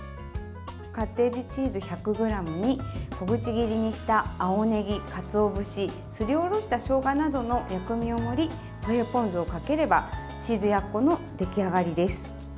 カッテージチーズ１００ｇに小口切りにした青ねぎ、かつお節すりおろしたしょうがなどの薬味を盛りホエーポン酢をかければチーズやっこの出来上がりです。